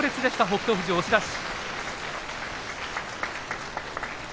北勝富士押し出し。